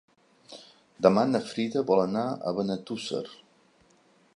Demà na Frida vol anar a Benetússer.